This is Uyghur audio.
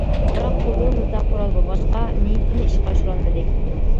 بىراق قوللىرىمىزدا قورال بولغاچقا، نىيىتىنى ئىشقا ئاشۇرالمىدى.